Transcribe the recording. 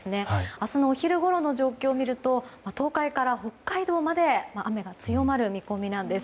明日のお昼ごろの状況を見ると東海から北海道まで雨が強まる見込みです。